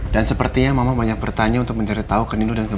dan seperti memetanya banyak pertanyaan saya mau cari tahu ke nino dan mirna